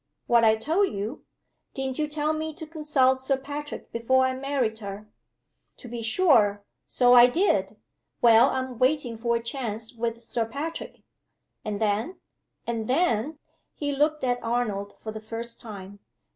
"What I told you?" "Didn't you tell me to consult Sir Patrick before I married her?" "To be sure! so I did." "Well I am waiting for a chance with Sir Patrick." "And then?" "And then " He looked at Arnold for the first time.